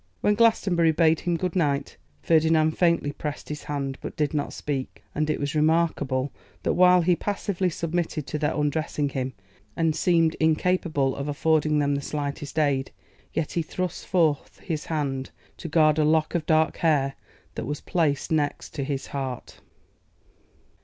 When Glastonbury bade him good night, Ferdinand faintly pressed his hand, but did not speak; and it was remarkable, that while he passively submitted to their undressing him, and seemed incapable of affording them the slightest aid, yet he thrust forth his hand to guard a lock of dark hair that was placed next to his heart.